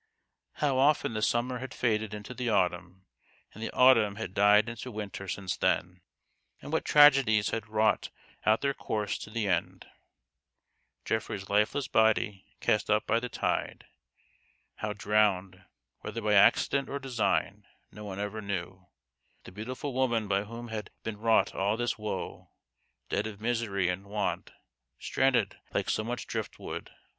How often the summer had faded into the autumn, and the autumn had died into winter since then, and what tragedies had wrought out their course to the end ; Geoffrey's lifeless body cast up by the tide, how drowned, whether by accident or design, no one ever knew ; the beautiful woman by whom had been wrought all this woe, dead of misery and want, stranded like so much drift wood on THE GHOST OF THE PAST.